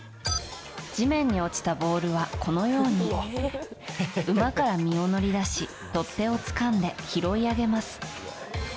地面に落ちたボールはこのように馬から身を乗り出し取っ手をつかんで拾い上げます。